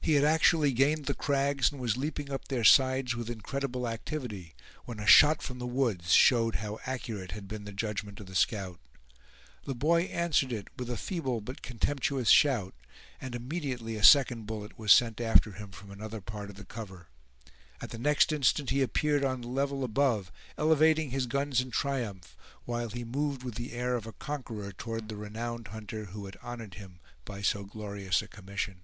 He had actually gained the crags, and was leaping up their sides with incredible activity, when a shot from the woods showed how accurate had been the judgment of the scout. The boy answered it with a feeble but contemptuous shout; and immediately a second bullet was sent after him from another part of the cover. At the next instant he appeared on the level above, elevating his guns in triumph, while he moved with the air of a conqueror toward the renowned hunter who had honored him by so glorious a commission.